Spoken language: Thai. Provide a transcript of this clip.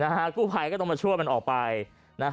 กู้ภัยก็ต้องมาช่วยมันออกไปนะฮะ